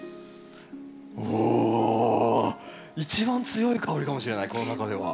一番強い香りかもしれないこの中では。